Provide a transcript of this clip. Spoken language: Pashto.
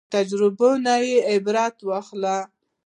تجربو نه عبرت واخلو